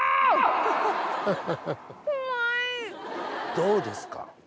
どうですか？